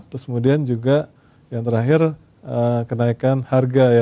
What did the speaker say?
terus kemudian juga yang terakhir kenaikan harga ya